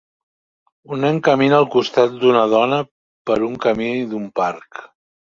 Un nen camina al costat d'una dona per un camí d'un parc.